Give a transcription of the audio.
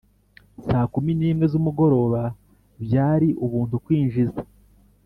saa kumi nimwe zumugoroba byari Ubuntu kwinjiza